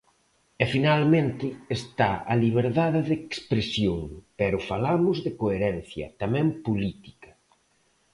E finalmente está a liberdade de expresión, pero falamos de coherencia, tamén política.